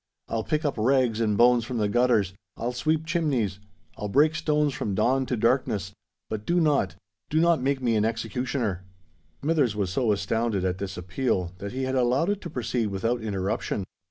I'll pick up rags and bones from the gutters—I'll sweep chimnies—I'll break stones from dawn to darkness;—but do not—do not make me an executioner!" Smithers was so astounded at this appeal that he had allowed it to proceed without interruption.